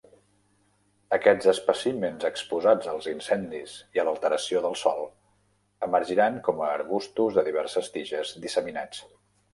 Aquests espècimens exposats als incendis i a l'alteració del sòl emergiran com a arbustos de diverses tiges disseminats.